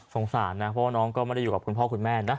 สารนะเพราะว่าน้องก็ไม่ได้อยู่กับคุณพ่อคุณแม่นะ